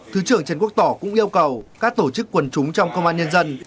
thứ trưởng trần quốc tỏ cũng yêu cầu các tổ chức quần chúng trong công an nhân dân